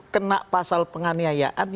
kena pasal penganiayaan